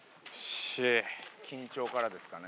緊張からですかね。